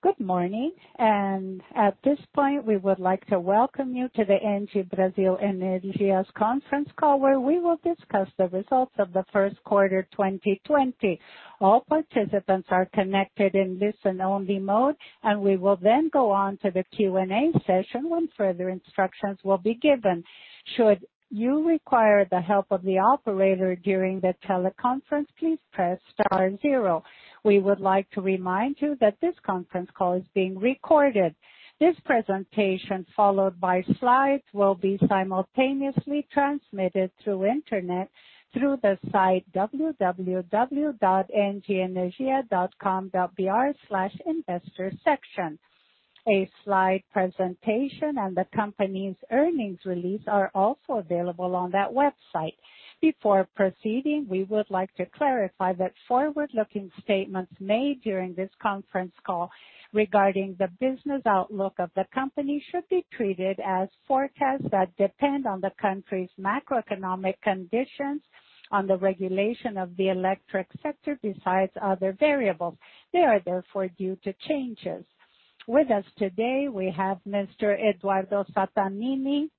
Good morning, and at this point, we would like to welcome you to the ENGIE Brasil Energia's conference call, where we will discuss the results of the first quarter 2020. All participants are connected in listen-only mode, and we will then go on to the Q&A session when further instructions will be given. Should you require the help of the operator during the teleconference, please press star zero. We would like to remind you that this conference call is being recorded. This presentation, followed by slides, will be simultaneously transmitted through the internet through the site www.engienergia.com.br/investorsection. A slide presentation and the company's earnings release are also available on that website. Before proceeding, we would like to clarify that forward-looking statements made during this conference call regarding the business outlook of the company should be treated as forecasts that depend on the country's macroeconomic conditions, on the regulation of the electric sector, besides other variables. They are therefore due to changes. With us today, we have Mr. Eduardo Sattamini,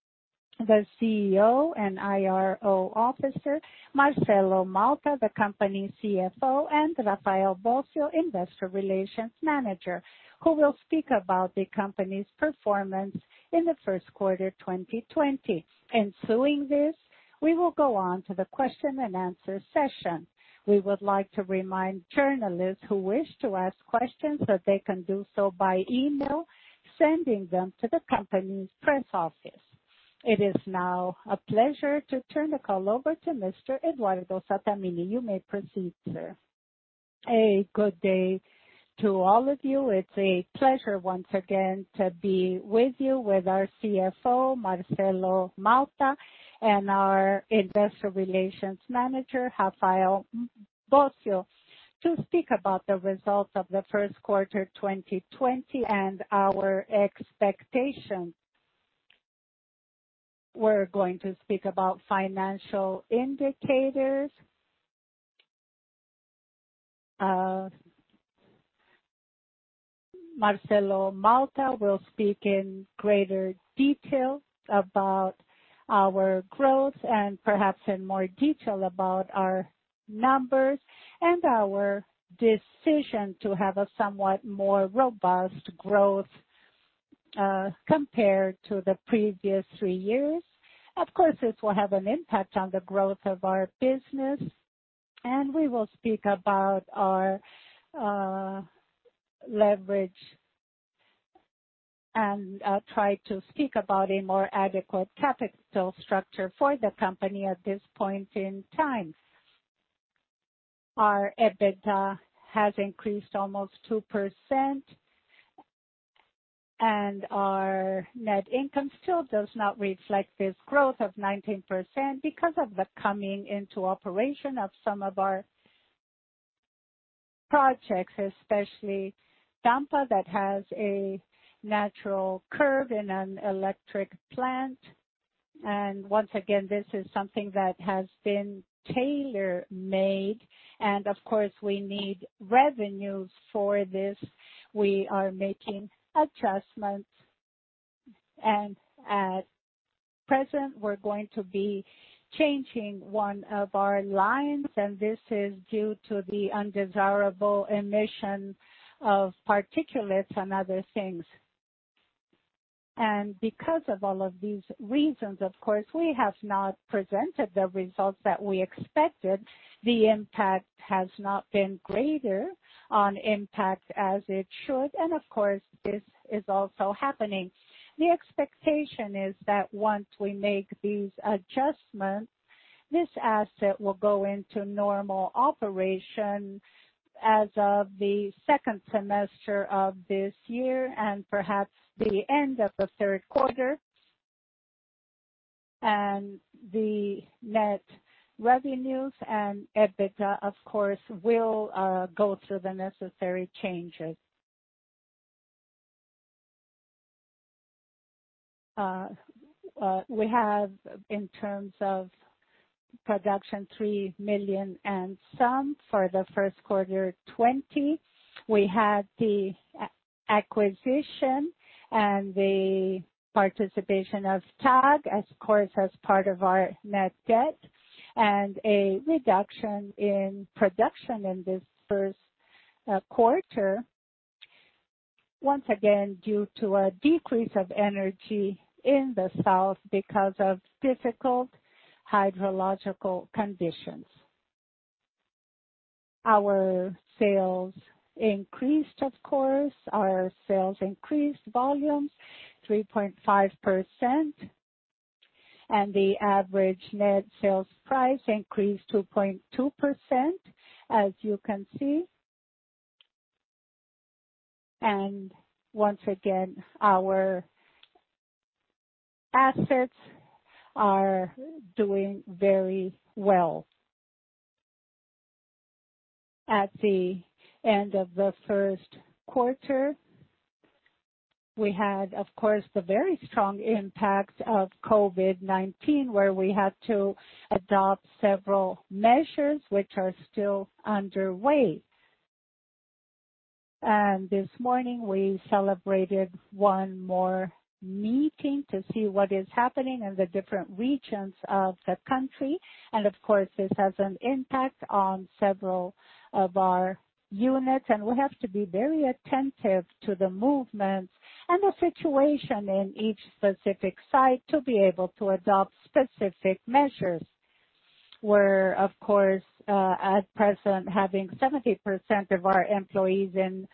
the CEO and IRO Officer; Marcelo Malta, the company CFO; and Rafael Bósio, Investor Relations Manager, who will speak about the company's performance in the first quarter 2020. Ensuing this, we will go on to the question and answer session. We would like to remind journalists who wish to ask questions that they can do so by email, sending them to the company's press office. It is now a pleasure to turn the call over to Mr. Eduardo Sattamini. You may proceed, sir. A good day to all of you. It's a pleasure once again to be with you, with our CFO, Marcelo Malta, and our Investor Relations Manager, Rafael Bósio, to speak about the results of the first quarter 2020 and our expectations. We're going to speak about financial indicators. Marcelo Malta will speak in greater detail about our growth and perhaps in more detail about our numbers and our decision to have a somewhat more robust growth compared to the previous three years. Of course, this will have an impact on the growth of our business, and we will speak about our leverage and try to speak about a more adequate capital structure for the company at this point in time. Our EBITDA has increased almost 2%, and our net income still does not reflect this growth of 19% because of the coming into operation of some of our projects, especially Tampa, that has a natural curve in an electric plant. This is something that has been tailor-made, and of course, we need revenues for this. We are making adjustments, and at present, we're going to be changing one of our lines, and this is due to the undesirable emission of particulates and other things. Because of all of these reasons, we have not presented the results that we expected. The impact has not been greater on impact as it should, and this is also happening. The expectation is that once we make these adjustments, this asset will go into normal operation as of the second semester of this year, perhaps the end of the third quarter. The net revenues and EBITDA, of course, will go through the necessary changes. We have, in terms of production, 3 million and some for the first quarter 2020. We had the acquisition and the participation of TAG, of course, as part of our net debt, and a reduction in production in this first quarter, once again due to a decrease of energy in the South Region because of difficult hydrological conditions. Our sales increased, of course. Our sales increased volumes 3.5%, and the average net sales price increased 2.2%, as you can see. Once again, our assets are doing very well. At the end of the first quarter, we had, of course, the very strong impact of COVID-19, where we had to adopt several measures which are still underway. This morning, we celebrated one more meeting to see what is happening in the different regions of the country. This has an impact on several of our units, and we have to be very attentive to the movements and the situation in each specific site to be able to adopt specific measures. We're, of course, at present having 70% of our employees in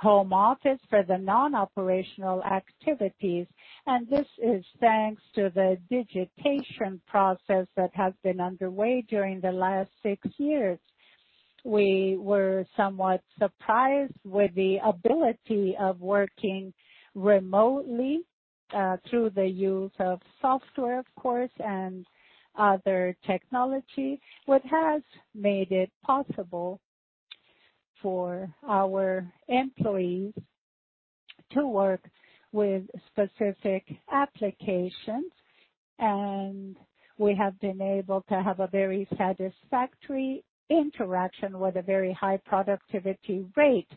home office for the non-operational activities, and this is thanks to the digitation process that has been underway during the last six years. We were somewhat surprised with the ability of working remotely through the use of software, of course, and other technology, which has made it possible for our employees to work with specific applications. We have been able to have a very satisfactory interaction with a very high productivity rate.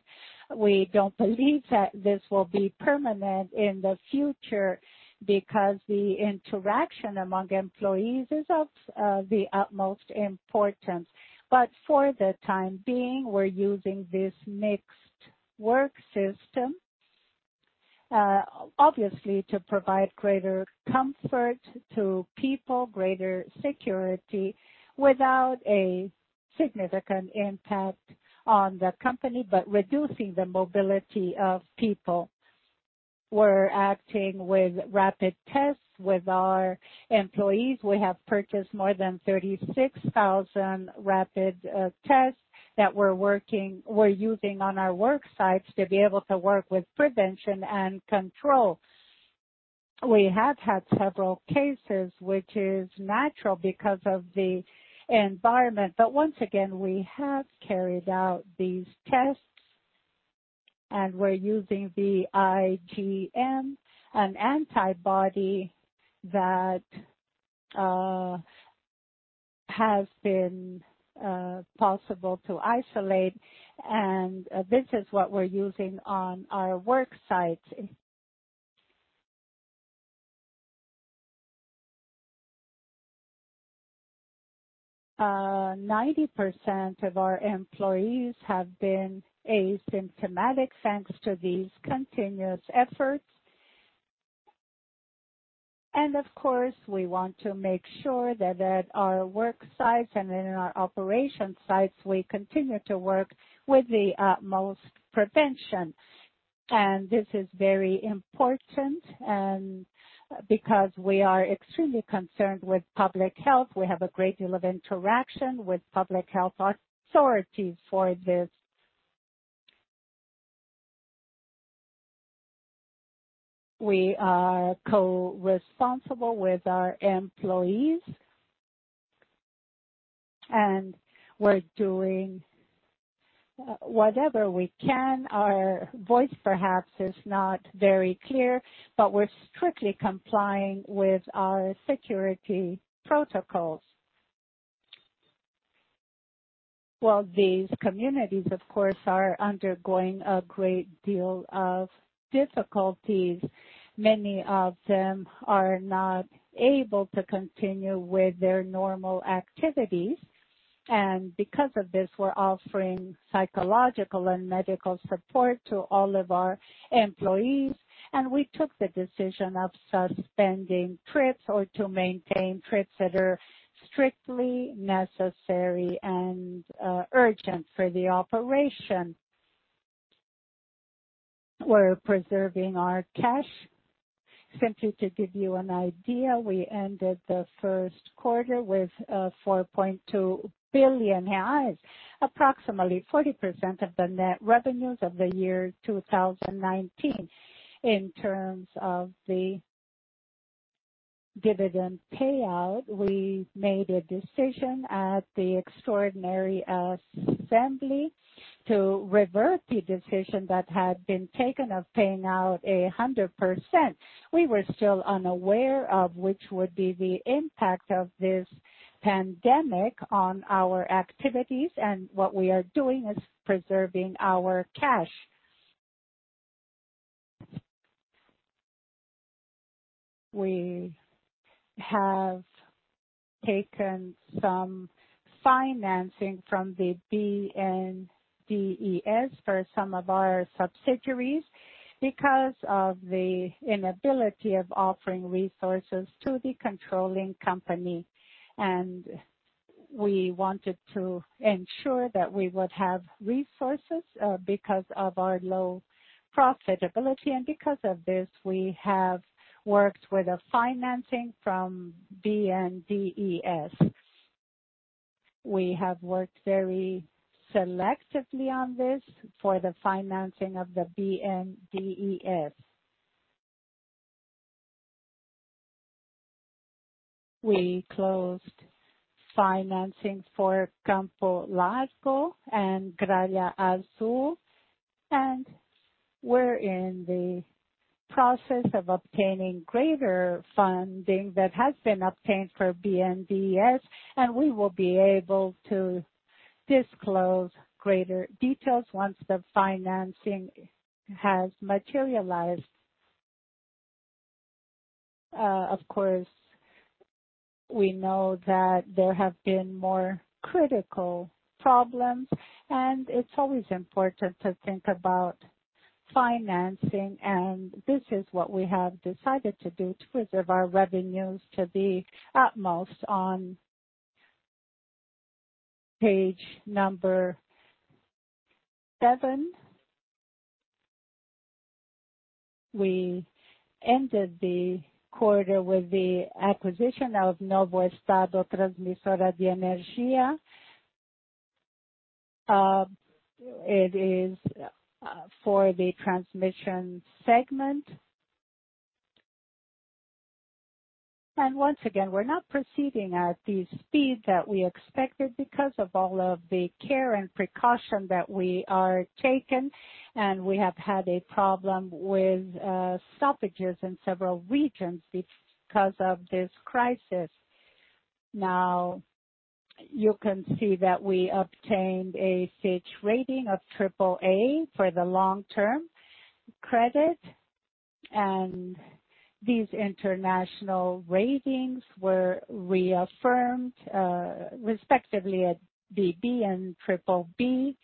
We do not believe that this will be permanent in the future because the interaction among employees is of the utmost importance. For the time being, we are using this mixed work system, obviously to provide greater comfort to people, greater security without a significant impact on the company, but reducing the mobility of people. We are acting with rapid tests with our employees. We have purchased more than 36,000 rapid tests that we are using on our work sites to be able to work with prevention and control. We have had several cases, which is natural because of the environment. Once again, we have carried out these tests, and we're using the IgM, an antibody that has been possible to isolate, and this is what we're using on our work sites. 90% of our employees have been asymptomatic thanks to these continuous efforts. Of course, we want to make sure that at our work sites and in our operation sites, we continue to work with the utmost prevention. This is very important because we are extremely concerned with public health. We have a great deal of interaction with public health authorities for this. We are co-responsible with our employees, and we're doing whatever we can. Our voice perhaps is not very clear, but we're strictly complying with our security protocols. These communities, of course, are undergoing a great deal of difficulties. Many of them are not able to continue with their normal activities. Because of this, we're offering psychological and medical support to all of our employees, and we took the decision of suspending trips or to maintain trips that are strictly necessary and urgent for the operation. We're preserving our cash. Simply to give you an idea, we ended the first quarter with 4.2 billion reais, approximately 40% of the net revenues of the year 2019. In terms of the dividend payout, we made a decision at the extraordinary assembly to revert the decision that had been taken of paying out 100%. We were still unaware of which would be the impact of this pandemic on our activities, and what we are doing is preserving our cash. We have taken some financing from the BNDES for some of our subsidiaries because of the inability of offering resources to the controlling company. We wanted to ensure that we would have resources because of our low profitability. Because of this, we have worked with the financing from BNDES. We have worked very selectively on this for the financing of the BNDES. We closed financing for Campo Largo and Gralha Azul, and we're in the process of obtaining greater funding that has been obtained for BNDES. We will be able to disclose greater details once the financing has materialized. Of course, we know that there have been more critical problems, and it's always important to think about financing. This is what we have decided to do to preserve our revenues to the utmost. On page number seven, we ended the quarter with the acquisition of Nova Estado Transmisora de Energia. It is for the transmission segment. Once again, we're not proceeding at the speed that we expected because of all of the care and precaution that we are taking. We have had a problem with shortages in several regions because of this crisis. Now, you can see that we obtained a Fitch Ratings AAA for the long-term credit, and these international ratings were reaffirmed, respectively at BB and BBB,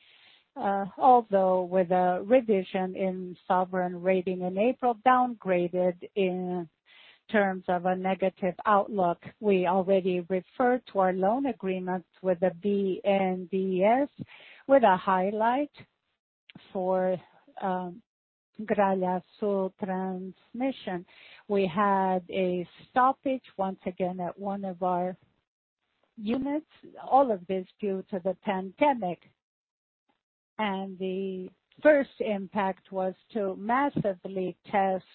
although with a revision in sovereign rating in April, downgraded in terms of a negative outlook. We already referred to our loan agreement with BNDES with a highlight for Gralha Azul transmission. We had a stoppage once again at one of our units. All of this due to the pandemic. The first impact was to massively test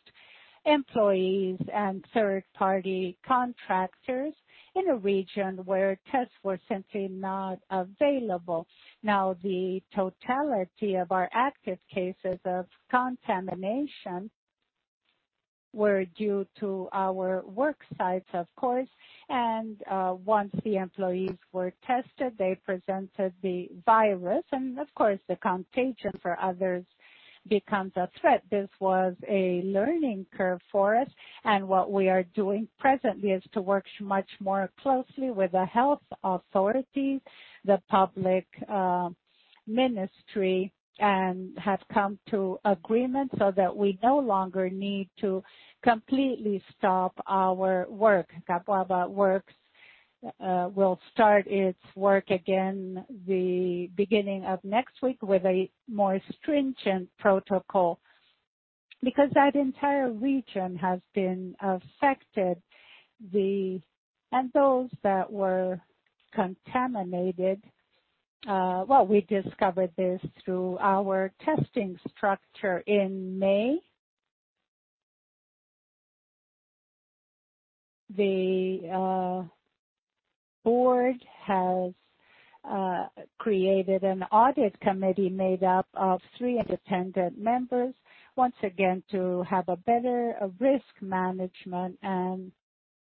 employees and third-party contractors in a region where tests were simply not available. Now, the totality of our active cases of contamination were due to our work sites, of course. Once the employees were tested, they presented the virus. Of course, the contagion for others becomes a threat. This was a learning curve for us. What we are doing presently is to work much more closely with the health authorities, the public ministry, and have come to agreement so that we no longer need to completely stop our work. Capuaba Works will start its work again the beginning of next week with a more stringent protocol because that entire region has been affected. Those that were contaminated, we discovered this through our testing structure in May. The board has created an audit committee made up of three independent members, once again to have a better risk management and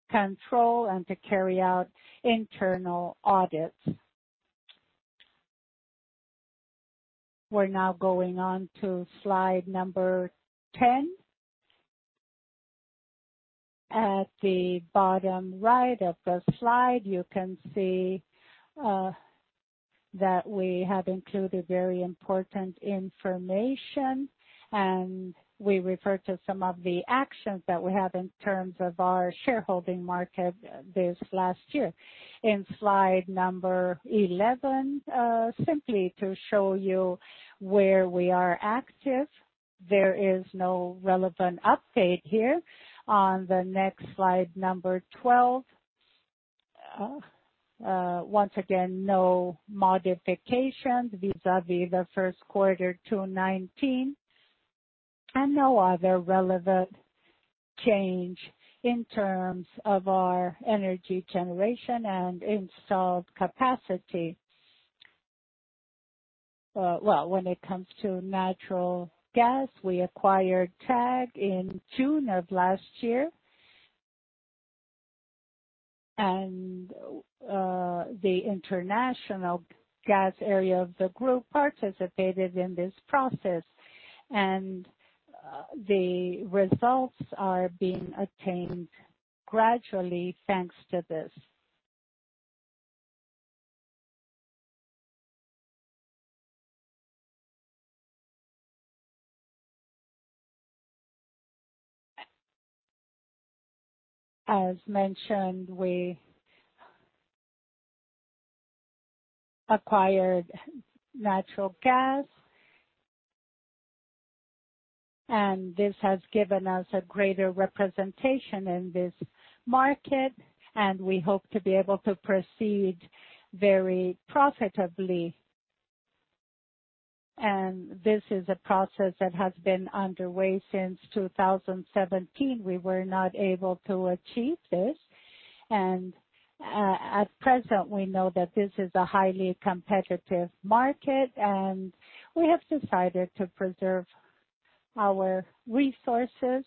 control and to carry out internal audits. We're now going on to slide number 10. At the bottom right of the slide, you can see that we have included very important information, and we refer to some of the actions that we have in terms of our shareholding market this last year. In slide number 11, simply to show you where we are active, there is no relevant update here. On the next slide, number 12, once again, no modifications vis-à-vis the first quarter 2019 and no other relevant change in terms of our energy generation and installed capacity. When it comes to natural gas, we acquired TAG in June of last year. The international gas area of the group participated in this process. The results are being attained gradually thanks to this. As mentioned, we acquired natural gas, and this has given us a greater representation in this market. We hope to be able to proceed very profitably. This is a process that has been underway since 2017. We were not able to achieve this. At present, we know that this is a highly competitive market, and we have decided to preserve our resources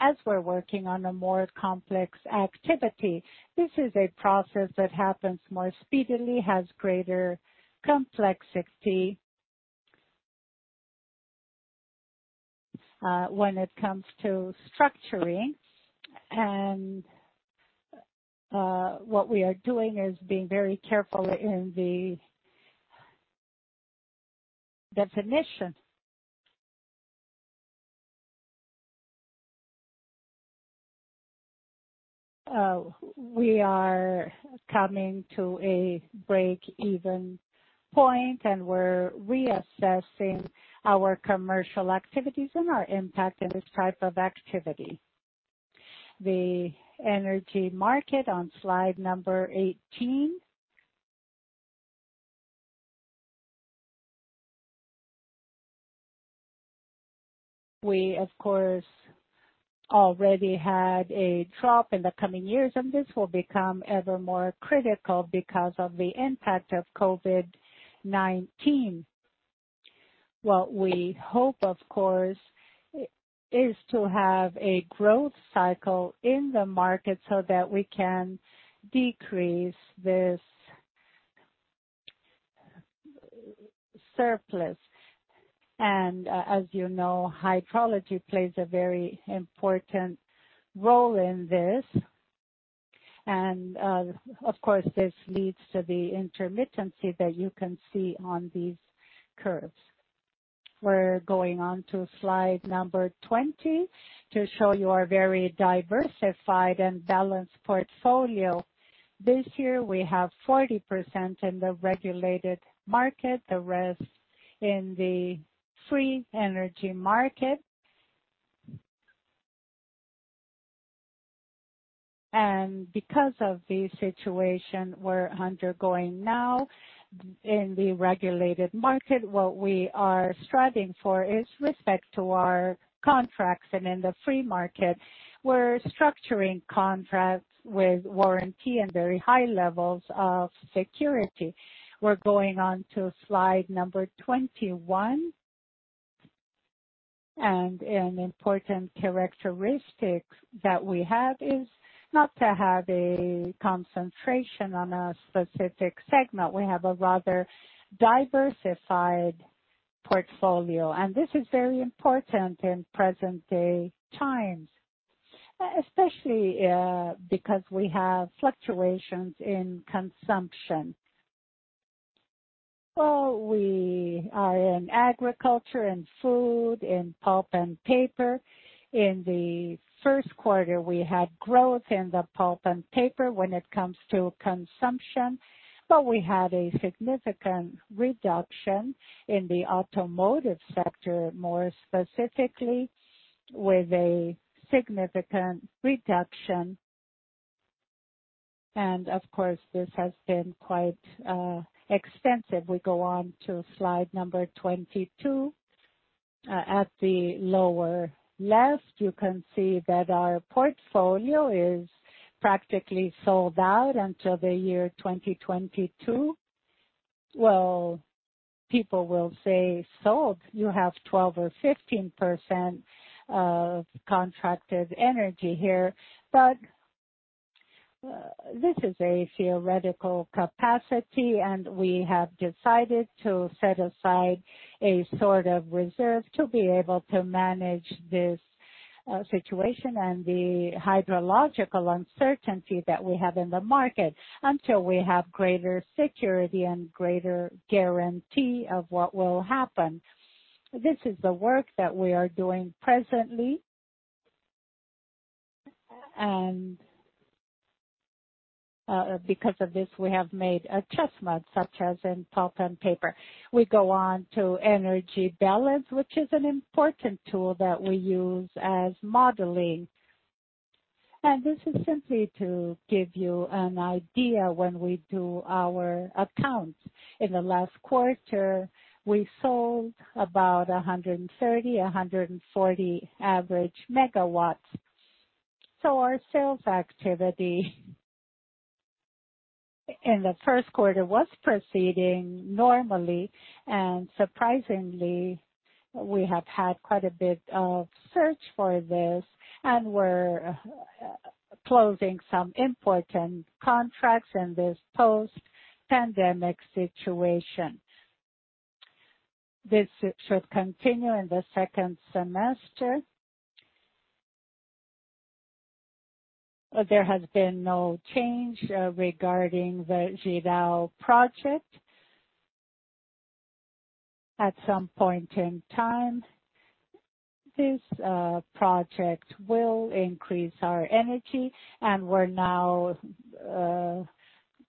as we're working on a more complex activity. This is a process that happens more speedily, has greater complexity when it comes to structuring. What we are doing is being very careful in the definition. We are coming to a break-even point, and we're reassessing our commercial activities and our impact in this type of activity. The energy market on slide number 18. We, of course, already had a drop in the coming years, and this will become ever more critical because of the impact of COVID-19. What we hope, of course, is to have a growth cycle in the market so that we can decrease this surplus. As you know, hydrology plays a very important role in this. This leads to the intermittency that you can see on these curves. We are going on to slide number 20 to show you our very diversified and balanced portfolio. This year, we have 40% in the regulated market, the rest in the free energy market. Because of the situation we are undergoing now in the regulated market, what we are striving for is respect to our contracts. In the free market, we are structuring contracts with warranty and very high levels of security. We are going on to slide number 21. An important characteristic that we have is not to have a concentration on a specific segment. We have a rather diversified portfolio. This is very important in present-day times, especially because we have fluctuations in consumption. We are in agriculture and food, in pulp and paper. In the first quarter, we had growth in the pulp and paper when it comes to consumption, but we had a significant reduction in the automotive sector, more specifically with a significant reduction. Of course, this has been quite extensive. We go on to slide number 22. At the lower left, you can see that our portfolio is practically sold out until the year 2022. People will say sold. You have 12% or 15% of contracted energy here. This is a theoretical capacity, and we have decided to set aside a sort of reserve to be able to manage this situation and the hydrological uncertainty that we have in the market until we have greater security and greater guarantee of what will happen. This is the work that we are doing presently. Because of this, we have made adjustments such as in pulp and paper. We go on to energy balance, which is an important tool that we use as modeling. This is simply to give you an idea when we do our accounts. In the last quarter, we sold about 130-140 average megawatts. Our sales activity in the first quarter was proceeding normally. Surprisingly, we have had quite a bit of search for this and were closing some important contracts in this post-pandemic situation. This should continue in the second semester. There has been no change regarding the GDAO project. At some point in time, this project will increase our energy. We are now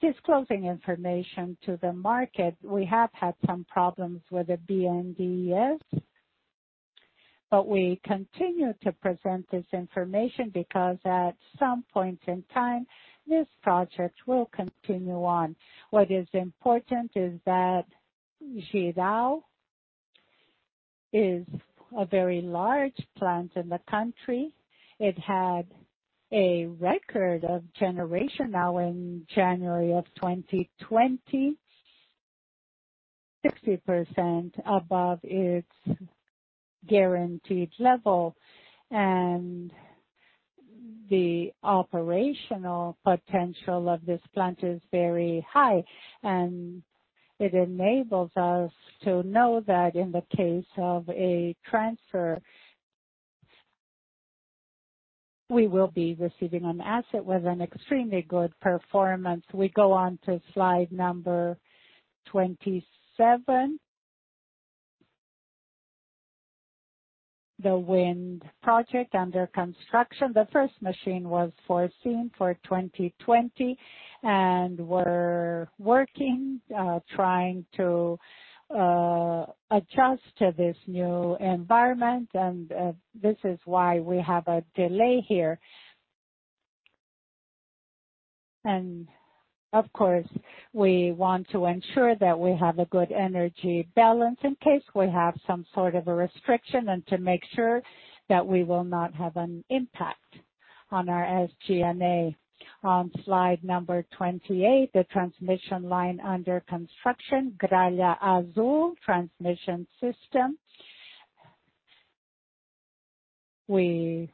disclosing information to the market. We have had some problems with BNDES, but we continue to present this information because at some point in time, this project will continue on. What is important is that GDAO is a very large plant in the country. It had a record of generation now in January 2020, 60% above its guaranteed level. The operational potential of this plant is very high. It enables us to know that in the case of a transfer, we will be receiving an asset with an extremely good performance. We go on to slide number 27. The wind project under construction. The first machine was foreseen for 2020, and we are working, trying to adjust to this new environment. This is why we have a delay here. Of course, we want to ensure that we have a good energy balance in case we have some sort of a restriction and to make sure that we will not have an impact on our SG&A. On slide number 28, the transmission line under construction, Gralha Azul transmission system. We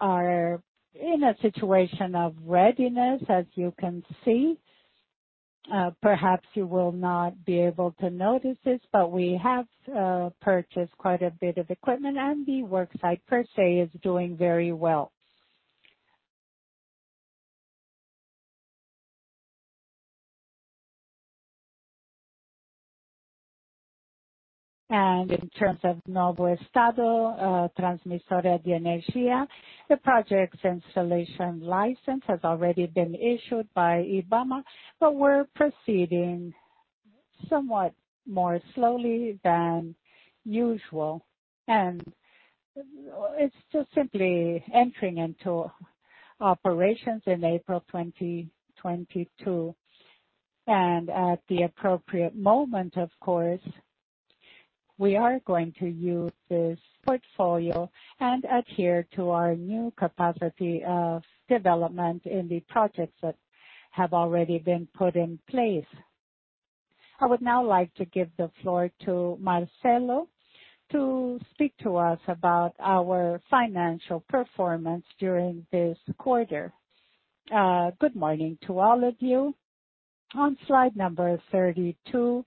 are in a situation of readiness, as you can see. Perhaps you will not be able to notice this, but we have purchased quite a bit of equipment, and the worksite per se is doing very well. In terms of Novo Estado Transmissora de Energia, the project's installation license has already been issued by IBAMA, but we're proceeding somewhat more slowly than usual. It is just simply entering into operations in April 2022. At the appropriate moment, of course, we are going to use this portfolio and adhere to our new capacity of development in the projects that have already been put in place. I would now like to give the floor to Marcelo to speak to us about our financial performance during this quarter. Good morning to all of you. On slide number 32,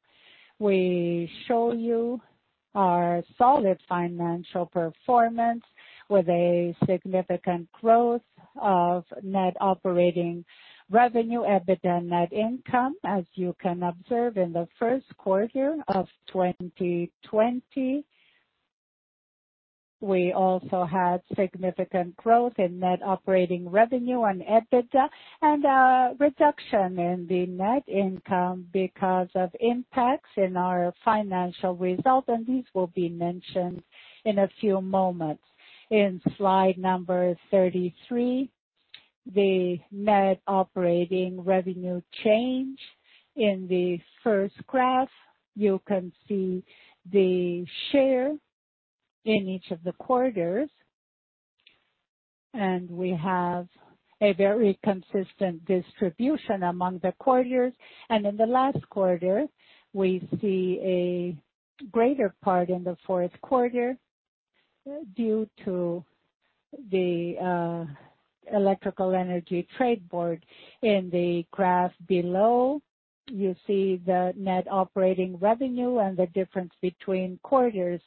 we show you our solid financial performance with a significant growth of net operating revenue, EBITDA, and net income. As you can observe, in the first quarter of 2020, we also had significant growth in net operating revenue and EBITDA and a reduction in the net income because of impacts in our financial result. These will be mentioned in a few moments. In slide number 33, the net operating revenue change. In the first graph, you can see the share in each of the quarters. We have a very consistent distribution among the quarters. In the last quarter, we see a greater part in the fourth quarter due to the Electrical Energy Trade Board. In the graph below, you see the net operating revenue and the difference between quarters.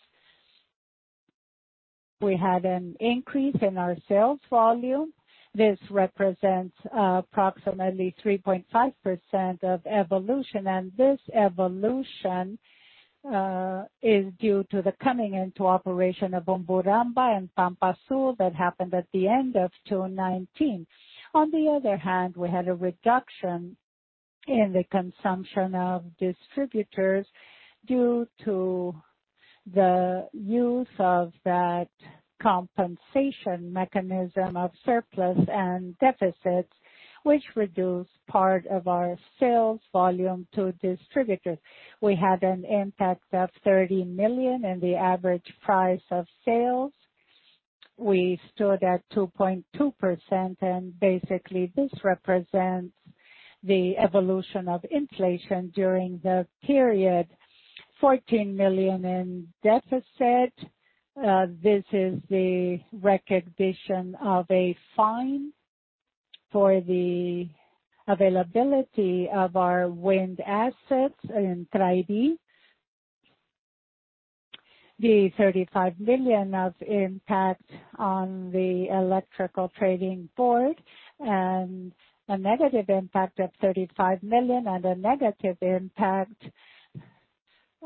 We had an increase in our sales volume. This represents approximately 3.5% of evolution. This evolution is due to the coming into operation of Umburamba and Pampasul that happened at the end of 2019. On the other hand, we had a reduction in the consumption of distributors due to the use of that compensation mechanism of surplus and deficits, which reduced part of our sales volume to distributors. We had an impact of 30 million in the average price of sales. We stood at 2.2%. Basically, this represents the evolution of inflation during the period, 14 million in deficit. This is the recognition of a fine for the availability of our wind assets in Trade-E. The 35 million of impact on the Electrical Trading Board and a negative impact of 35 million and a negative impact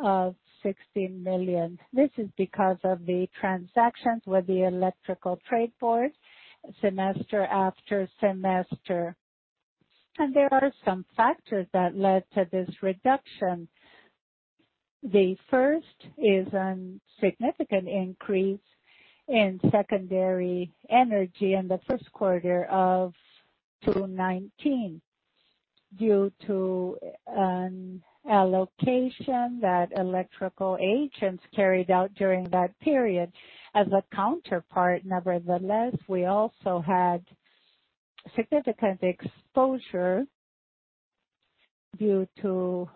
of 16 million. This is because of the transactions with the Electrical Trade Board semester after semester. There are some factors that led to this reduction. The first is a significant increase in secondary energy in the first quarter of 2019 due to an allocation that Electrical Agents carried out during that period. As a counterpart, nevertheless, we also had significant exposure due to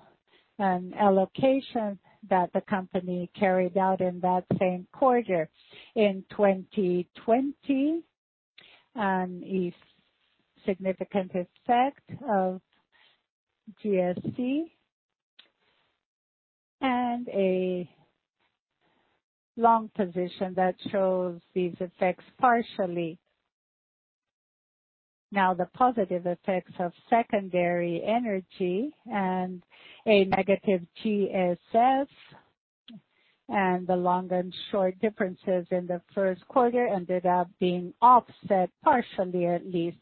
an allocation that the company carried out in that same quarter in 2020 and a significant effect of GSF and a long position that shows these effects partially. Now, the positive effects of secondary energy and a negative GSF and the long and short differences in the first quarter ended up being offset partially at least.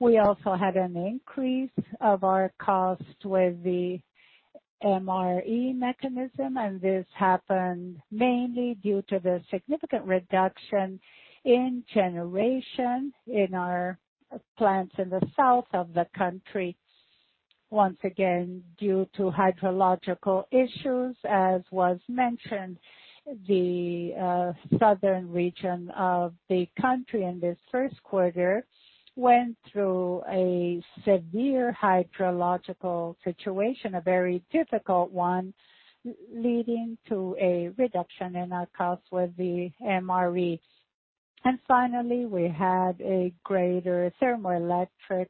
We also had an increase of our cost with the MRE mechanism. This happened mainly due to the significant reduction in generation in our plants in the south of the country, once again due to hydrological issues. As was mentioned, the South Region of the country in this first quarter went through a severe hydrological situation, a very difficult one, leading to a reduction in our cost with the MRE. Finally, we had a greater thermoelectric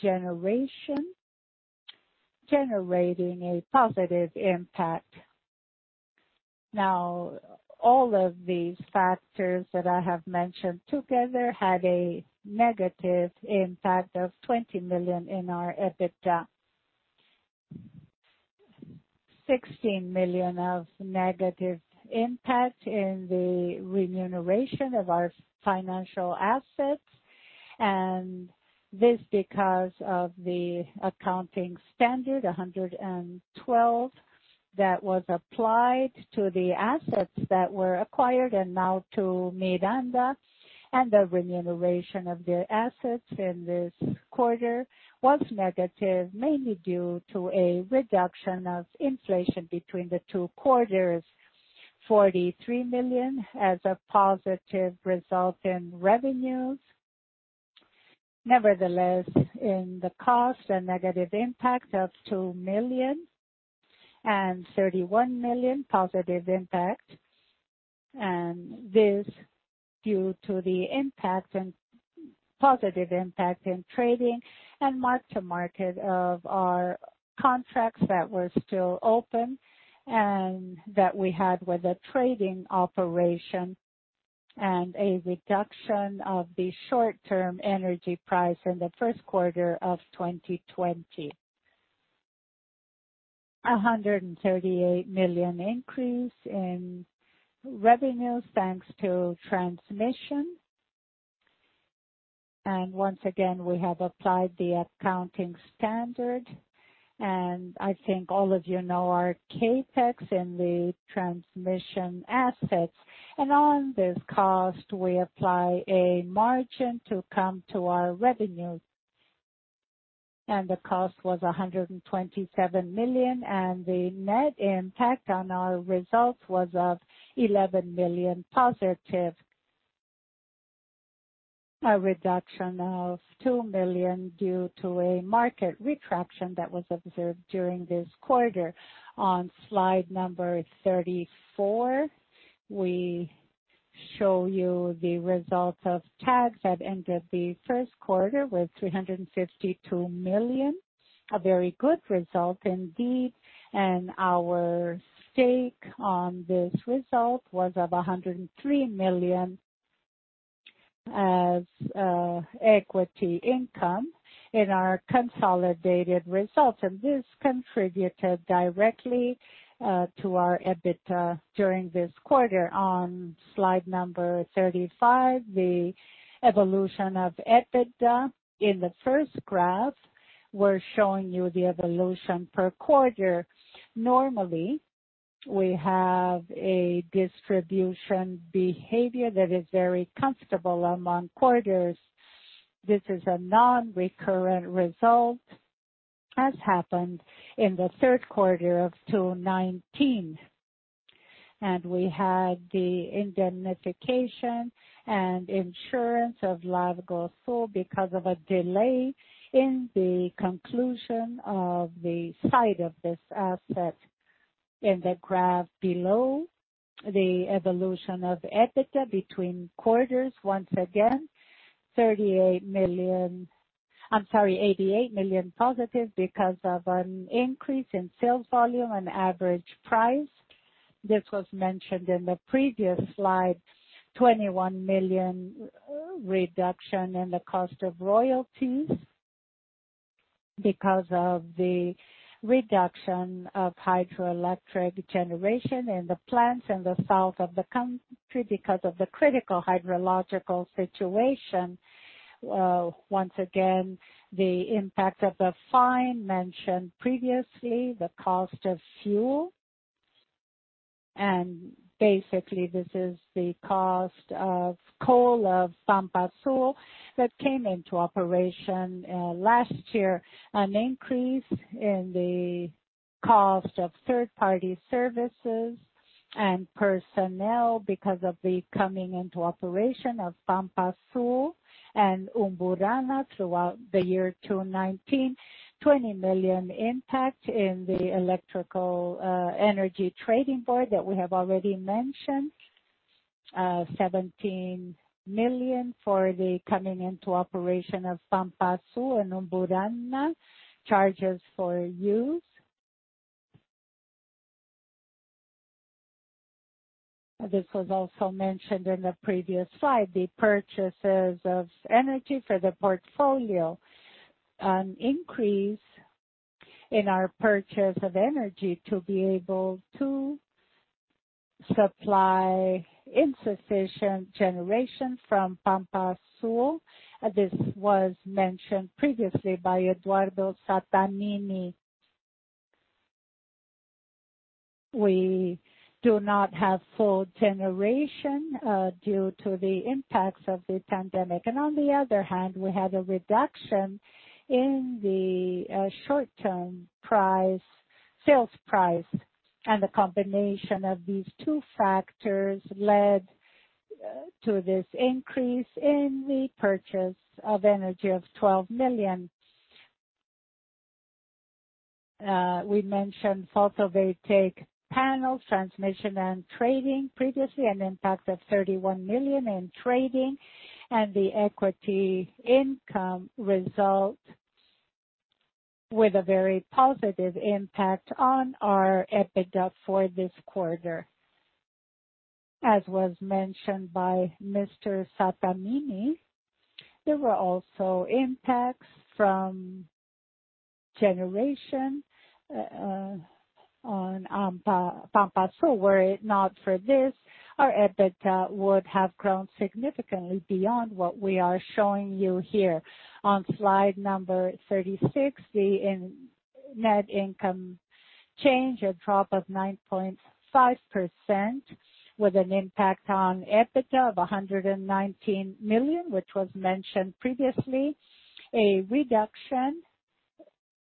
generation generating a positive impact. All of these factors that I have mentioned together had a negative impact of 20 million in our EBITDA, 16 million of negative impact in the remuneration of our financial assets. This is because of the accounting standard 112 that was applied to the assets that were acquired and now to Miranda. The remuneration of the assets in this quarter was negative, mainly due to a reduction of inflation between the two quarters, 43 million as a positive result in revenues. Nevertheless, in the cost, a negative impact of 2 million and 31 million positive impact. This is due to the positive impact in trading and mark-to-market of our contracts that were still open and that we had with the trading operation and a reduction of the short-term energy price in the first quarter of 2020. BRL 138 million increase in revenues thanks to transmission. Once again, we have applied the accounting standard. I think all of you know our CAPEX in the transmission assets. On this cost, we apply a margin to come to our revenue. The cost was 127 million. The net impact on our results was 11 million positive, a reduction of 2 million due to a market retraction that was observed during this quarter. On slide number 34, we show you the result of TAG that ended the first quarter with 352 million, a very good result indeed. Our stake on this result was 103 million as equity income in our consolidated results. This contributed directly to our EBITDA during this quarter. On slide number 35, the evolution of EBITDA in the first graph. We are showing you the evolution per quarter. Normally, we have a distribution behavior that is very comfortable among quarters. This is a non-recurrent result as happened in the third quarter of 2019. We had the indemnification and insurance of Largo Sul because of a delay in the conclusion of the site of this asset. In the graph below, the evolution of EBITDA between quarters, once again, 38 million—I'm sorry, 88 million positive because of an increase in sales volume and average price. This was mentioned in the previous slide, 21 million reduction in the cost of royalties because of the reduction of hydroelectric generation in the plants in the South Region of the country because of the critical hydrological situation. Once again, the impact of the fine mentioned previously, the cost of fuel. Basically, this is the cost of coal of Pampasul that came into operation last year, an increase in the cost of third-party services and personnel because of the coming into operation of Pampasul and Umburamba throughout the year 2019, 20 million impact in the Electrical Energy Trading Board that we have already mentioned, 17 million for the coming into operation of Pampasul and Umburamba charges for use. This was also mentioned in the previous slide, the purchases of energy for the portfolio, an increase in our purchase of energy to be able to supply insufficient generation from Pampasul. This was mentioned previously by Eduardo Sattamini. We do not have full generation due to the impacts of the pandemic. On the other hand, we had a reduction in the short-term sales price. The combination of these two factors led to this increase in the purchase of energy of 12 million. We mentioned photovoltaic panels, transmission, and trading previously, an impact of 31 million in trading. The equity income result with a very positive impact on our EBITDA for this quarter, as was mentioned by Mr. Sattamini. There were also impacts from generation on Pampasul. Were it not for this, our EBITDA would have grown significantly beyond what we are showing you here. On slide number 36, the net income change, a drop of 9.5% with an impact on EBITDA of 119 million, which was mentioned previously, a reduction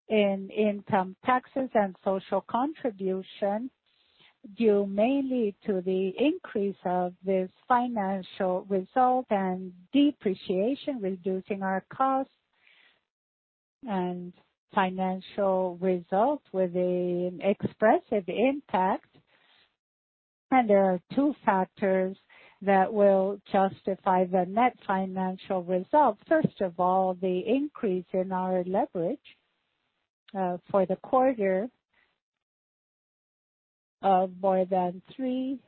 in income taxes and social contribution due mainly to the increase of this financial result and depreciation, reducing our cost and financial result with an expressive impact. There are two factors that will justify the net financial result. First of all, the increase in our leverage for the quarter of more than BRL 3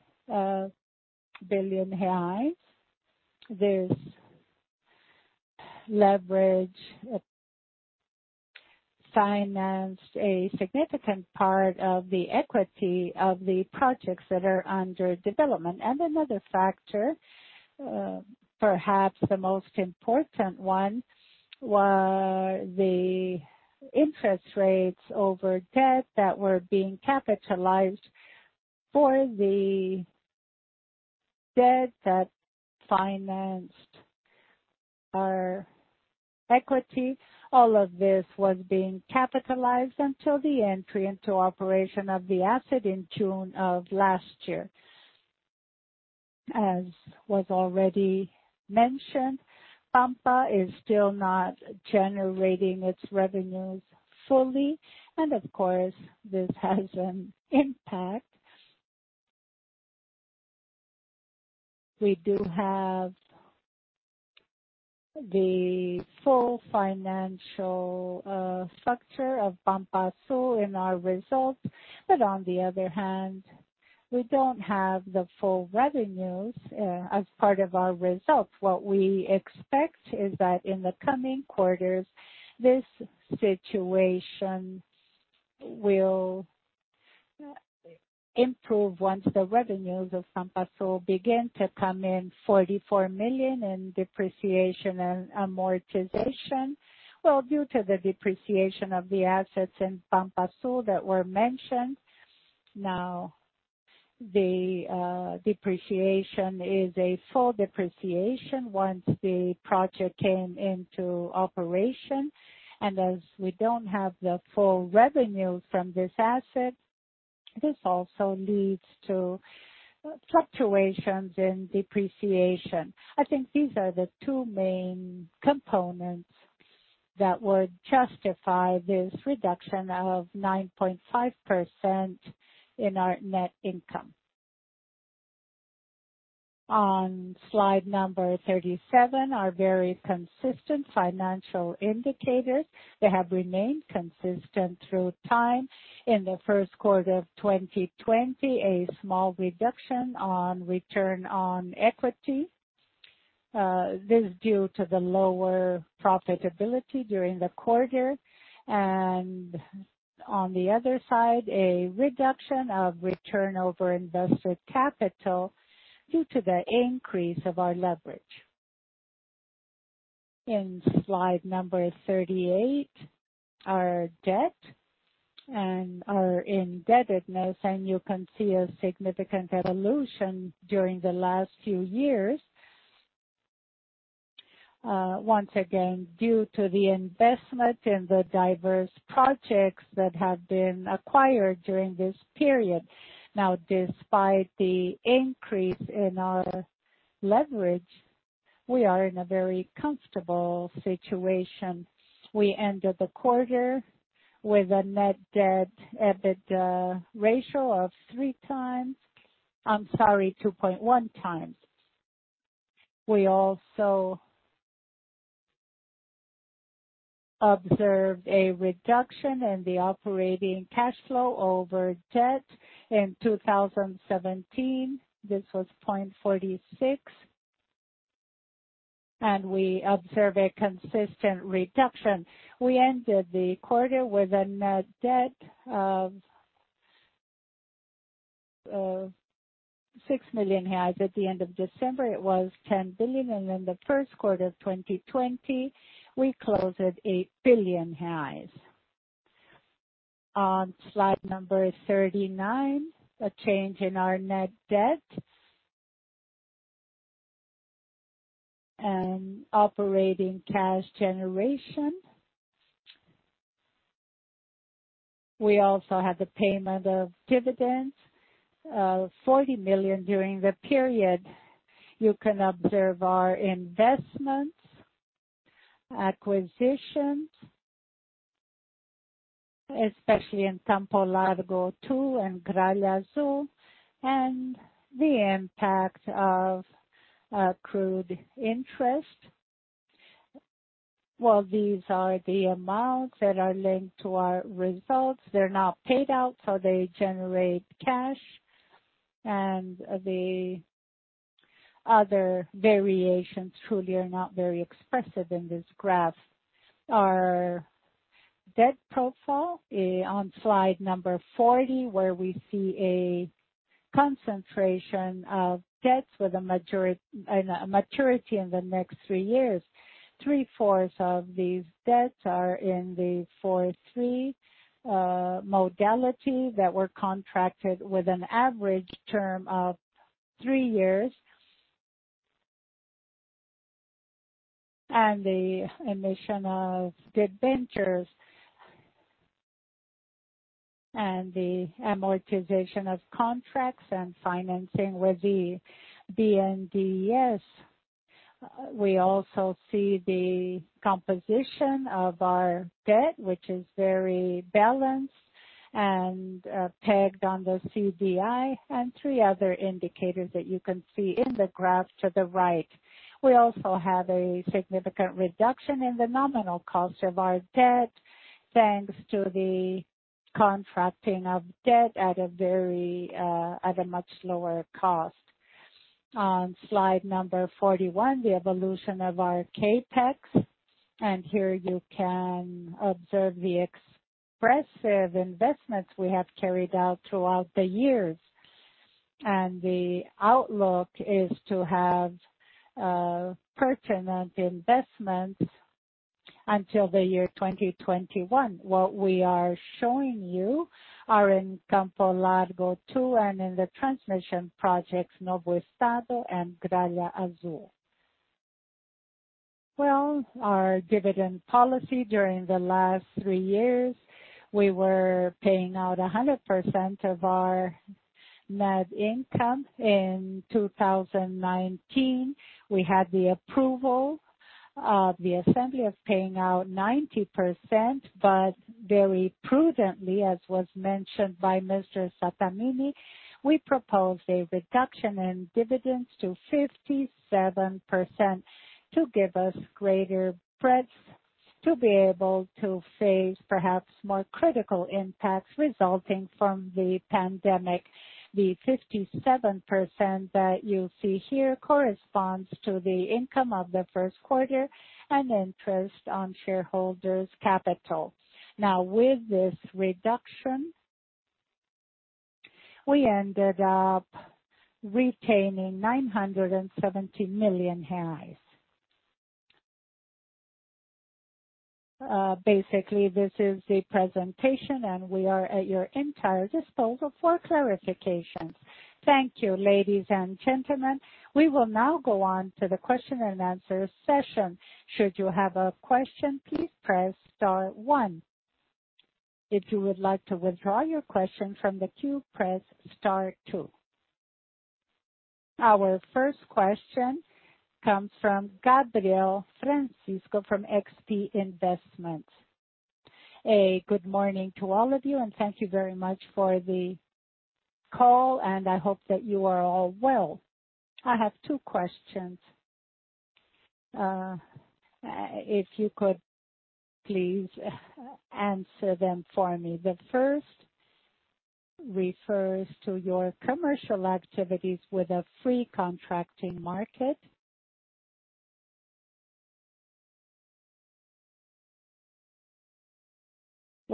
billion. This leverage financed a significant part of the equity of the projects that are under development. Another factor, perhaps the most important one, were the interest rates over debt that were being capitalized for the debt that financed our equity. All of this was being capitalized until the entry into operation of the asset in June of last year. As was already mentioned, Pampa is still not generating its revenues fully. Of course, this has an impact. We do have the full financial structure of Pampasul in our results. On the other hand, we do not have the full revenues as part of our results. What we expect is that in the coming quarters, this situation will improve once the revenues of Pampasul begin to come in, 44 million in depreciation and amortization. Due to the depreciation of the assets in Pampasul that were mentioned, now the depreciation is a full depreciation once the project came into operation. As we do not have the full revenues from this asset, this also leads to fluctuations in depreciation. I think these are the two main components that would justify this reduction of 9.5% in our net income. On slide number 37, our very consistent financial indicators. They have remained consistent through time. In the first quarter of 2020, a small reduction on return on equity. This is due to the lower profitability during the quarter. On the other side, a reduction of return over invested capital due to the increase of our leverage. In slide number 38, our debt and our indebtedness. You can see a significant evolution during the last few years, once again due to the investment in the diverse projects that have been acquired during this period. Now, despite the increase in our leverage, we are in a very comfortable situation. We ended the quarter with a net debt/EBITDA ratio of 3 times, I'm sorry, 2.1 times. We also observed a reduction in the operating cash flow over debt in 2017. This was 0.46. We observed a consistent reduction. We ended the quarter with a net debt of 6 million. At the end of December, it was 10 billion. In the first quarter of 2020, we closed at 8 billion. On slide number 39, a change in our net debt and operating cash generation. We also had the payment of dividends, 40 million during the period. You can observe our investments, acquisitions, especially in Tampo Largo Sul and Gralazul, and the impact of accrued interest. These are the amounts that are linked to our results. They're not paid out, so they generate cash. The other variations truly are not very expressive in this graph. Our debt profile is on slide number 40, where we see a concentration of debts with a maturity in the next three years. Three-fourths of these debts are in the 4/3 modality that were contracted with an average term of three years. The emission of debentures and the amortization of contracts and financing with BNDES. We also see the composition of our debt, which is very balanced and pegged on the CDI and three other indicators that you can see in the graph to the right. We also have a significant reduction in the nominal cost of our debt thanks to the contracting of debt at a much lower cost. On slide number 41, the evolution of our CAPEX. Here you can observe the expressive investments we have carried out throughout the years. The outlook is to have pertinent investments until the year 2021. What we are showing you are in Tampo Largo Sul and in the transmission projects, Novo Estado and Gralazul. Our dividend policy during the last three years, we were paying out 100% of our net income. In 2019, we had the approval of the assembly of paying out 90%, but very prudently, as was mentioned by Mr. Sattamini, we proposed a reduction in dividends to 57% to give us greater breadth to be able to face perhaps more critical impacts resulting from the pandemic. The 57% that you see here corresponds to the income of the first quarter and interest on shareholders' capital. Now, with this reduction, we ended up retaining BRL 970 million. Basically, this is the presentation, and we are at your entire disposal for clarifications. Thank you, ladies and gentlemen. We will now go on to the question and answer session. Should you have a question, please press star one. If you would like to withdraw your question from the queue, press star two. Our first question comes from Gabriel Francisco from XP Investments. A good morning to all of you, and thank you very much for the call. I hope that you are all well. I have two questions. If you could please answer them for me. The first refers to your commercial activities with a free contracting market.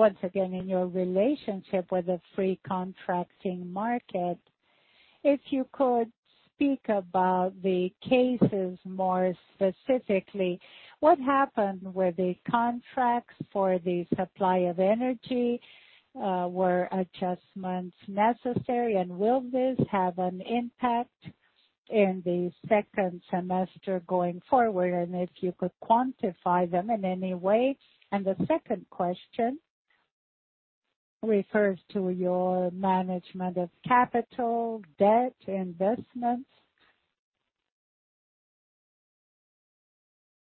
Once again, in your relationship with a free contracting market, if you could speak about the cases more specifically, what happened with the contracts for the supply of energy? Were adjustments necessary, and will this have an impact in the second semester going forward? If you could quantify them in any way. The second question refers to your management of capital, debt, investments,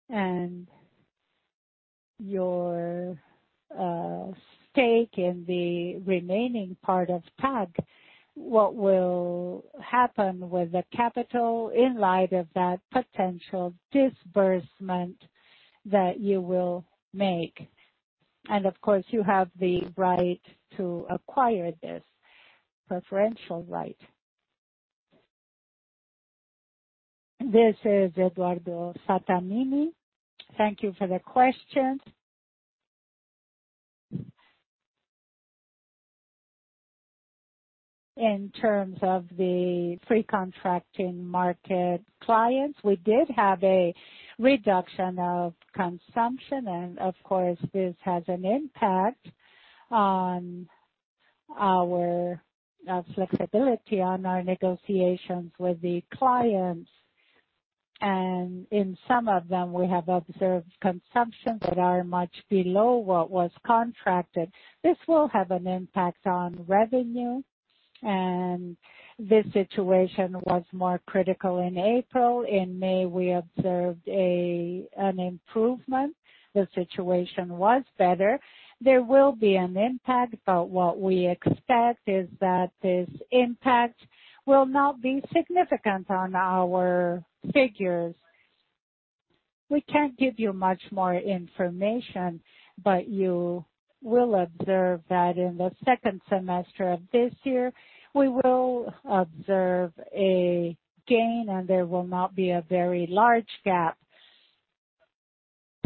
and your stake in the remaining part of PAG. What will happen with the capital in light of that potential disbursement that you will make? Of course, you have the right to acquire this, preferential right. This is Eduardo Sattamini. Thank you for the questions. In terms of the free contracting market clients, we did have a reduction of consumption. Of course, this has an impact on our flexibility on our negotiations with the clients. In some of them, we have observed consumptions that are much below what was contracted. This will have an impact on revenue. This situation was more critical in April. In May, we observed an improvement. The situation was better. There will be an impact, but what we expect is that this impact will not be significant on our figures. We cannot give you much more information, but you will observe that in the second semester of this year, we will observe a gain, and there will not be a very large gap.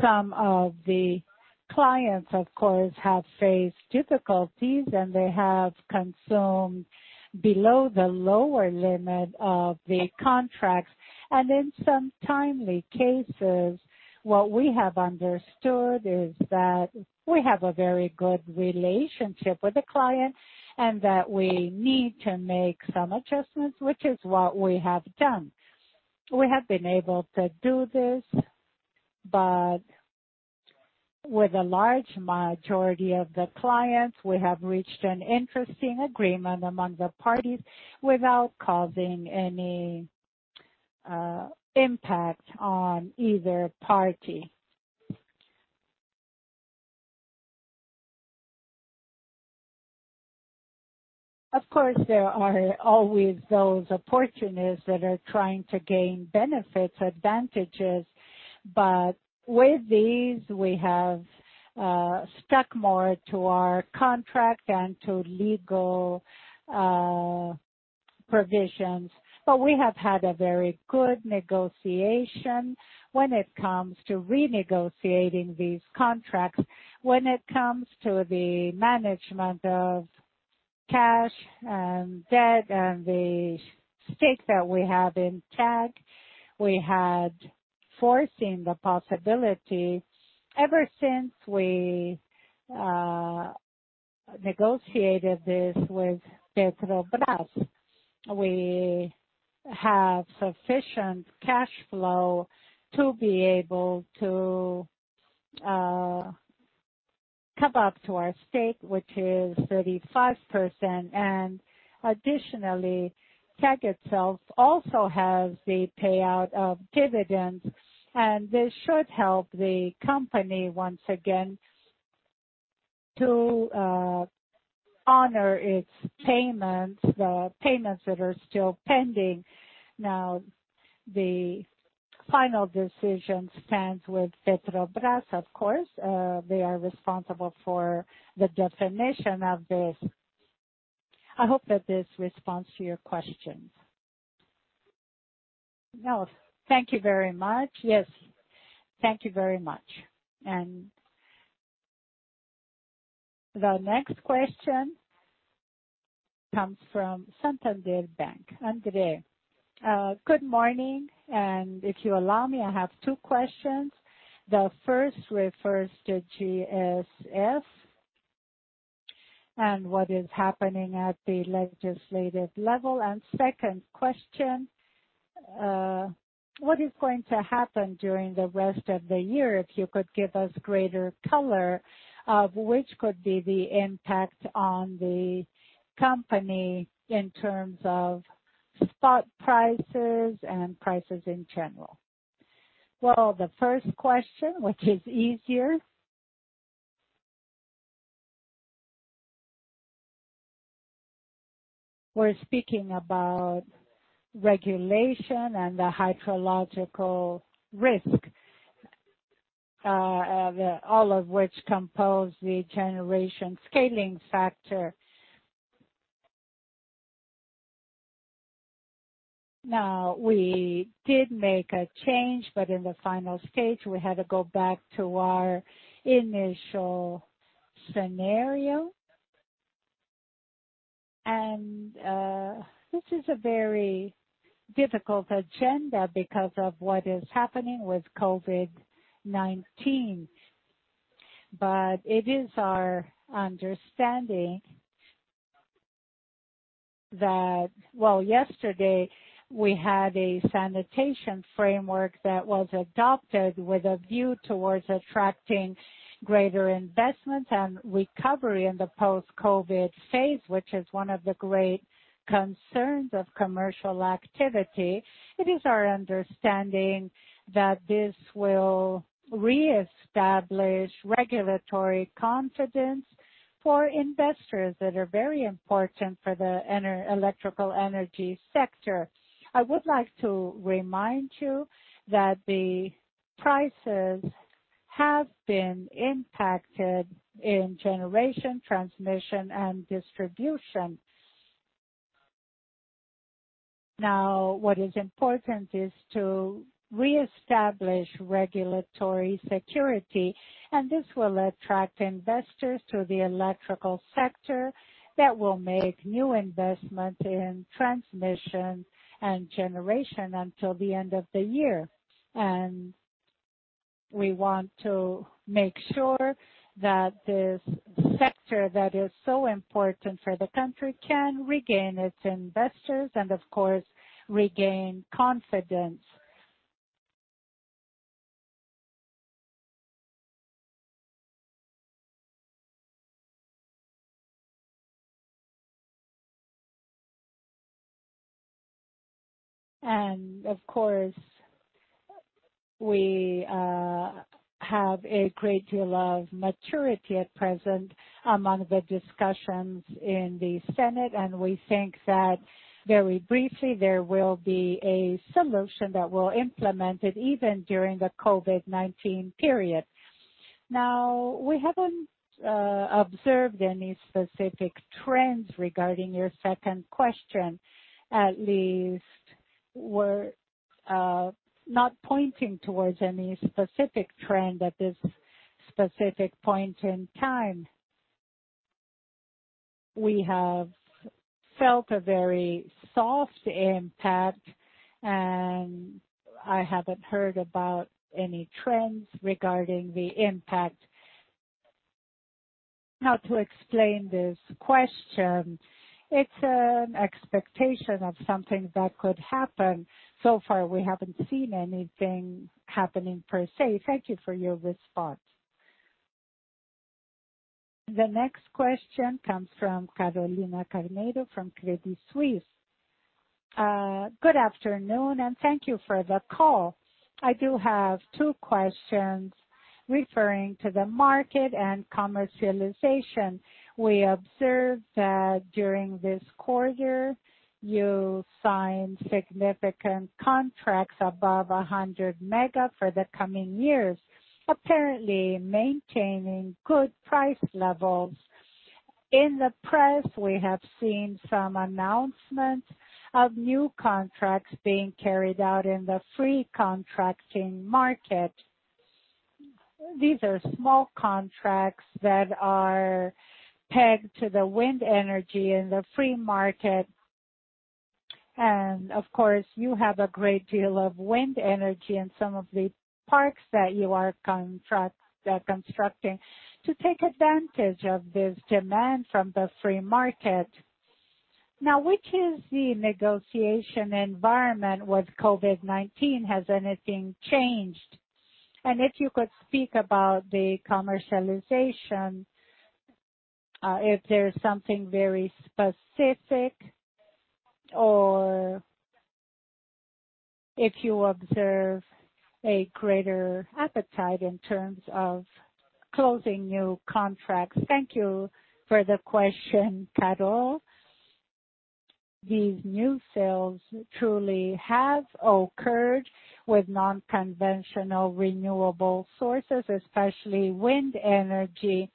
Some of the clients, of course, have faced difficulties, and they have consumed below the lower limit of the contracts. In some timely cases, what we have understood is that we have a very good relationship with the client and that we need to make some adjustments, which is what we have done. We have been able to do this, but with a large majority of the clients, we have reached an interesting agreement among the parties without causing any impact on either party. Of course, there are always those opportunists that are trying to gain benefits, advantages. With these, we have stuck more to our contract and to legal provisions. We have had a very good negotiation when it comes to renegotiating these contracts. When it comes to the management of cash and debt and the stake that we have in PAG, we had foreseen the possibility. Ever since we negotiated this with Pedro Brás, we have sufficient cash flow to be able to come up to our stake, which is 35%. Additionally, PAG itself also has the payout of dividends, and this should help the company once again to honor its payments, the payments that are still pending. Now, the final decision stands with Pedro Brás, of course. They are responsible for the definition of this. I hope that this responds to your questions. No. Thank you very much. Yes. Thank you very much. The next question comes from Santander Bank. André, good morning. If you allow me, I have two questions. The first refers to GSF and what is happening at the legislative level. The second question, what is going to happen during the rest of the year if you could give us greater color of which could be the impact on the company in terms of spot prices and prices in general? The first question, which is easier, we are speaking about regulation and the hydrological risk, all of which compose the generation scaling factor. Now, we did make a change, but in the final stage, we had to go back to our initial scenario. This is a very difficult agenda because of what is happening with COVID-19. It is our understanding that, yesterday, we had a sanitation framework that was adopted with a view towards attracting greater investments and recovery in the post-COVID phase, which is one of the great concerns of commercial activity. It is our understanding that this will reestablish regulatory confidence for investors that are very important for the electrical energy sector. I would like to remind you that the prices have been impacted in generation, transmission, and distribution. What is important is to reestablish regulatory security, and this will attract investors to the electrical sector that will make new investments in transmission and generation until the end of the year. We want to make sure that this sector that is so important for the country can regain its investors and, of course, regain confidence. Of course, we have a great deal of maturity at present among the discussions in the Senate, and we think that very briefly there will be a solution that will implement it even during the COVID-19 period. Now, we have not observed any specific trends regarding your second question. At least we are not pointing towards any specific trend at this specific point in time. We have felt a very soft impact, and I have not heard about any trends regarding the impact. How to explain this question? It is an expectation of something that could happen. So far, we have not seen anything happening per se. Thank you for your response. The next question comes from Carolina Carnedo from Credit Suisse. Good afternoon, and thank you for the call. I do have two questions referring to the market and commercialization. We observed that during this quarter, you signed significant contracts above 100 mega for the coming years, apparently maintaining good price levels. In the press, we have seen some announcements of new contracts being carried out in the free contracting market. These are small contracts that are pegged to the wind energy in the free market. Of course, you have a great deal of wind energy in some of the parks that you are constructing to take advantage of this demand from the free market. Now, which is the negotiation environment with COVID-19? Has anything changed? If you could speak about the commercialization, if there's something very specific or if you observe a greater appetite in terms of closing new contracts. Thank you for the question, Carol. These new sales truly have occurred with non-conventional renewable sources, especially wind energy.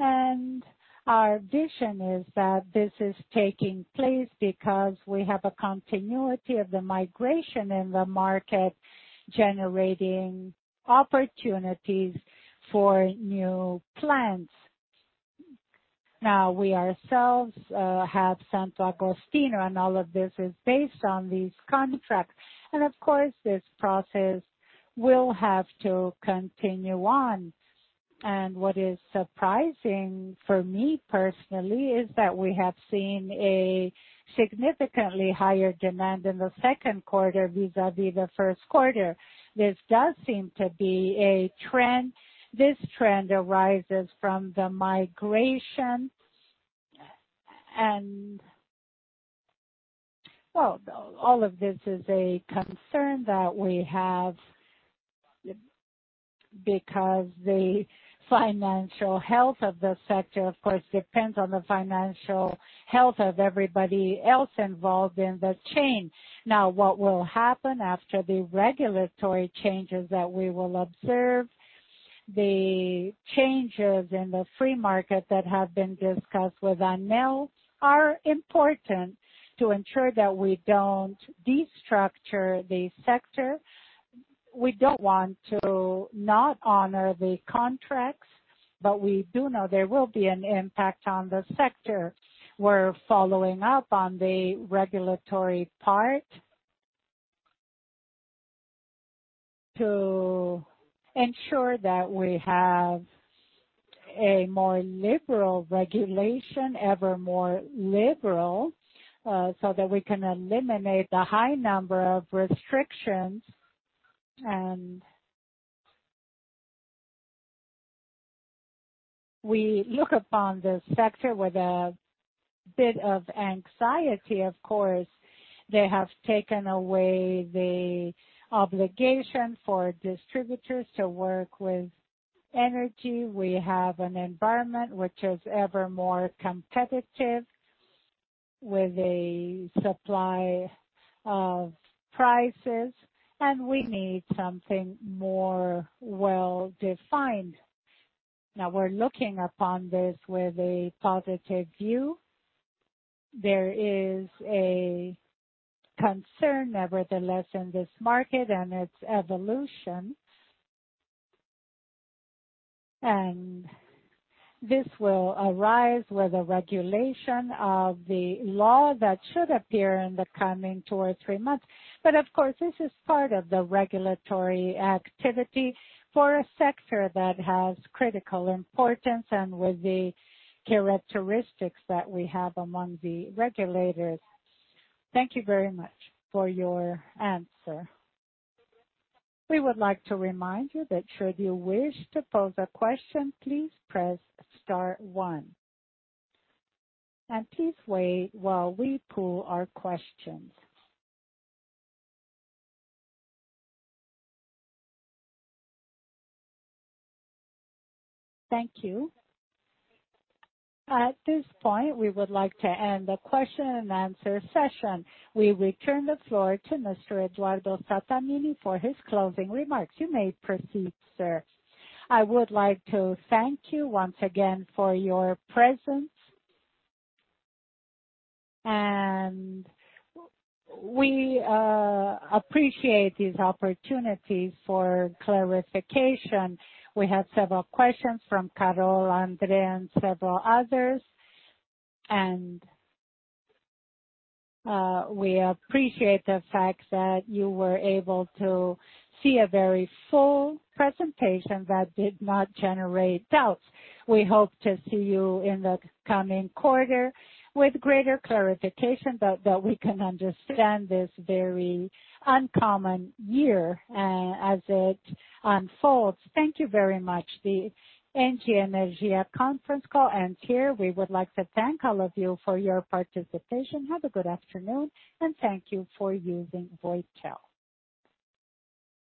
Our vision is that this is taking place because we have a continuity of the migration in the market generating opportunities for new plants. We ourselves have Santiago Steno, and all of this is based on these contracts. Of course, this process will have to continue on. What is surprising for me personally is that we have seen a significantly higher demand in the second quarter vis-à-vis the first quarter. This does seem to be a trend. This trend arises from the migration. All of this is a concern that we have because the financial health of the sector, of course, depends on the financial health of everybody else involved in the chain. What will happen after the regulatory changes that we will observe? The changes in the free market that have been discussed with ANEEL are important to ensure that we don't destructure the sector. We don't want to not honor the contracts, but we do know there will be an impact on the sector. We're following up on the regulatory part to ensure that we have a more liberal regulation, ever more liberal, so that we can eliminate the high number of restrictions. We look upon this sector with a bit of anxiety. Of course, they have taken away the obligation for distributors to work with energy. We have an environment which is ever more competitive with a supply of prices, and we need something more well-defined. Now, we're looking upon this with a positive view. There is a concern, nevertheless, in this market and its evolution. This will arise with a regulation of the law that should appear in the coming two or three months. Of course, this is part of the regulatory activity for a sector that has critical importance and with the characteristics that we have among the regulators. Thank you very much for your answer. We would like to remind you that should you wish to pose a question, please press star one. Please wait while we pull our questions. Thank you. At this point, we would like to end the question and answer session. We return the floor to Mr. Eduardo Sattamini for his closing remarks. You may proceed, sir. I would like to thank you once again for your presence. We appreciate these opportunities for clarification. We have several questions from Carol, André, and several others. We appreciate the fact that you were able to see a very full presentation that did not generate doubts. We hope to see you in the coming quarter with greater clarification that we can understand this very uncommon year as it unfolds. Thank you very much. The ENGIE Brasil Energia conference call ends here. We would like to thank all of you for your participation. Have a good afternoon, and thank you for using Voytel.